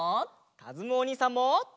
かずむおにいさんも！